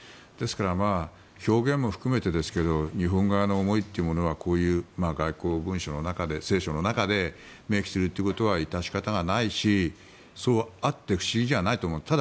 ですから、表現も含めてですが日本側の思いというものはこういう外交文書の中で青書の中で明記することは致し方がないし、そうあっても不思議じゃないと思う。